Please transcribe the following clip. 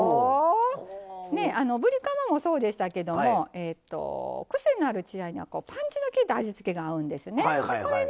ぶりカマもそうでしたけどもクセのある血合いパンチのきいた味付けが合うんですね。